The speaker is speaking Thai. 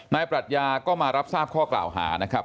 ปรัชญาก็มารับทราบข้อกล่าวหานะครับ